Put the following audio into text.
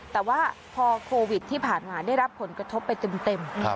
แต่ว่าพอโควิดที่ผ่านมาได้รับผลกระทบไปเต็ม